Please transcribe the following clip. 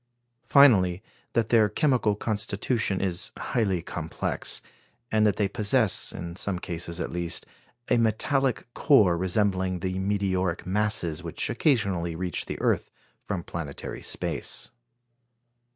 Finally, that their chemical constitution is highly complex, and that they possess, in some cases at least, a metallic core resembling the meteoric masses which occasionally reach the earth from planetary space.